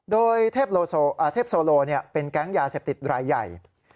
โดยเทพโซโลเป็นแก๊งยาเสพติดรายใหญ่